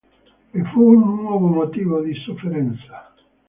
E fu un nuovo motivo di sofferenza.